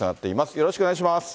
よろしくお願いします。